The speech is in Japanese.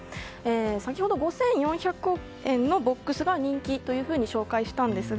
先ほど５４００円のボックスが人気というふうに紹介したんですが